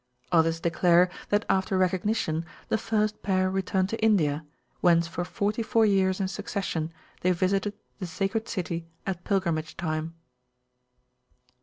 Others declare that after recognition, the first pair returned to India, whence for 44 years in succession they visited the Sacred City at pilgrimage time.